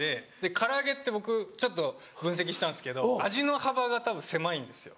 唐揚げって僕ちょっと分析したんですけど味の幅がたぶん狭いんですよ。